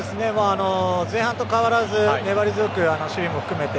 前半と変わらず粘り強く守備も含めて。